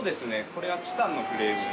これはチタンのフレームで。